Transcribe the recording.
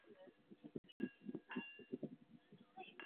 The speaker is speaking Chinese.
李添保人。